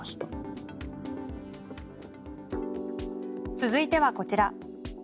続いてはこちら。